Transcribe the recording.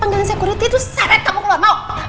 panggilin security terus seret kamu keluar mau